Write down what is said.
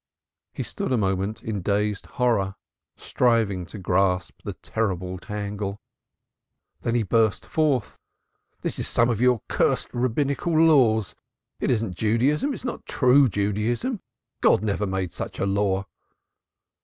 He stood a moment in dazed horror, striving to grasp the terrible tangle. Then he burst forth. "This is some of your cursed Rabbinical laws, it is not Judaism, it is not true Judaism. God never made any such law."